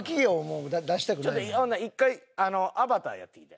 ほんなら１回『アバター』やってきて。